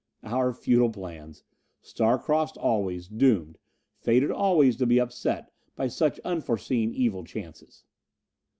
Our futile plans! Star crossed always, doomed, fated always to be upset by such unforeseen evil chances!